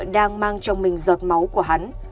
đang mang trong mình giọt máu của hắn